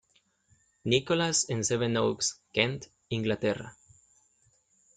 Nicholas en Sevenoaks, Kent, Inglaterra.